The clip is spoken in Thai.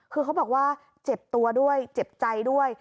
คือเขาบอกว่าเจ็บตัวด้วยเจ็บใจด้วย